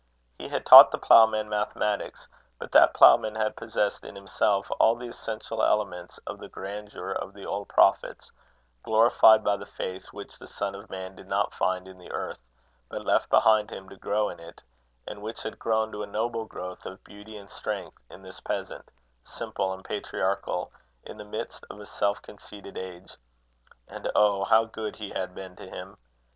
He had taught the ploughman mathematics, but that ploughman had possessed in himself all the essential elements of the grandeur of the old prophets, glorified by the faith which the Son of Man did not find in the earth, but left behind him to grow in it, and which had grown to a noble growth of beauty and strength in this peasant, simple and patriarchal in the midst of a self conceited age. And, oh! how good he had been to him!